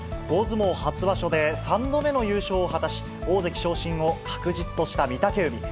大相撲初場所で、３度目の優勝を果たし、大関昇進を確実とした御嶽海。